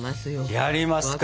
やりますか！